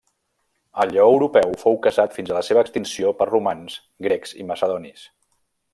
El lleó europeu fou caçat fins a la seva extinció per romans, grecs i macedonis.